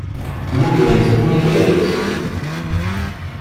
Mmugren-tt akken igerrez.